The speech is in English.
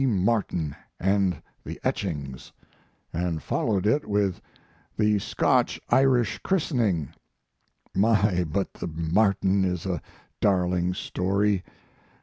Martin & the etchings, & followed it with the Scotch Irish christening. My, but the Martin is a darling story!